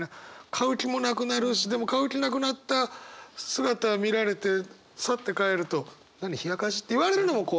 買う気もなくなるしでも買う気なくなった姿見られてサッて帰ると「何？冷やかし？」って言われるのも怖い。